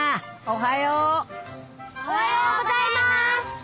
おはようございます！